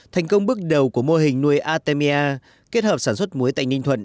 thành công bước đầu của mô hình nuôi artemia kết hợp sản xuất muối tại ninh thuận